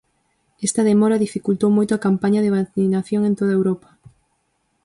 Esta demora dificultou moito a campaña de vacinación en toda Europa.